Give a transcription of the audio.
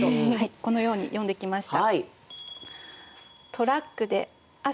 このように詠んできました。